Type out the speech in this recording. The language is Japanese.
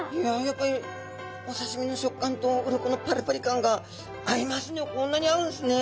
やっぱりおさしみの食感と鱗のパリパリ感が合いますね。